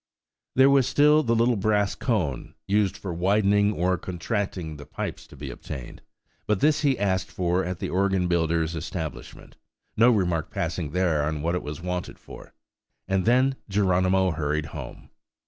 There was still the little brass cone, used for widening or contracting the pipes, to be obtained; but this he asked for at the organ builder's establishment–no remark passing there on what it was wanted for; and then Geronimo hurried home.